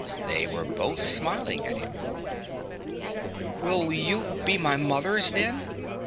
They were both smiling at him. "Will you be my mothers, then?"